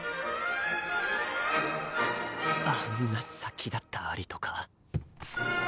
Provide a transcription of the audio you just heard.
あんな殺気立ったアリとか。